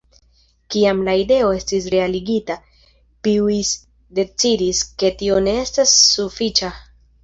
Kiam la ideo estis realigita, Pijus decidis, ke tio ne estas sufiĉa.